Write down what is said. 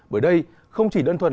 bởi đây không chỉ đơn thuần